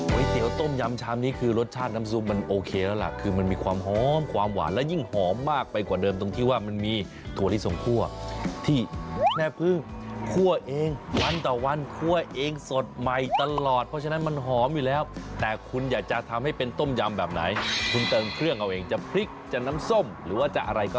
เตี๋ยวต้มยำชามนี้คือรสชาติน้ำซุปมันโอเคแล้วล่ะคือมันมีความหอมความหวานและยิ่งหอมมากไปกว่าเดิมตรงที่ว่ามันมีถั่วลิสงคั่วที่แม่พึ่งคั่วเองวันต่อวันคั่วเองสดใหม่ตลอดเพราะฉะนั้นมันหอมอยู่แล้วแต่คุณอยากจะทำให้เป็นต้มยำแบบไหนคุณเติมเครื่องเอาเองจะพริกจะน้ำส้มหรือว่าจะอะไรก็